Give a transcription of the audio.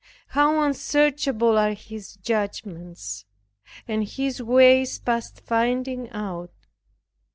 how unsearchable are his judgments, and his ways past finding out."